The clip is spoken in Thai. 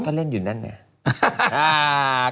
ก็เล่นอยู่นั่นเนี่ย